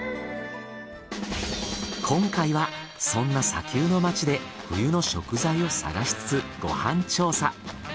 今回はそんな砂丘の街で冬の食材を探しつつご飯調査。